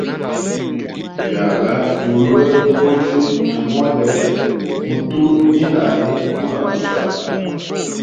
Vyaga tulwe logozi tumone utu ni nani guna buswata.